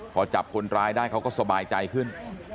พอจับคนร้ายได้เขาก็สบายใจขึ้น